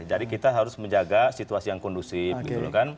jadi kita harus menjaga situasi yang kondusif